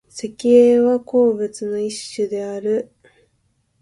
石英は鉱物の一種である。